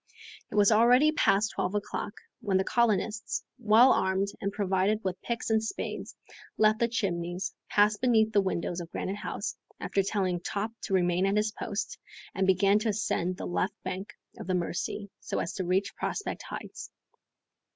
It was already past twelve o'clock, when the colonists, well armed and provided with picks and spades, left the Chimneys, passed beneath the windows of Granite House, after telling Top to remain at his post, and began to ascend the left bank of the Mercy, so as to reach Prospect Heights.